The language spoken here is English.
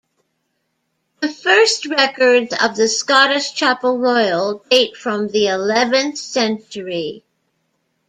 The first records of the Scottish Chapel Royal date from the eleventh century.